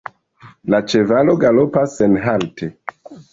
La ĉevalo galopis senhalte.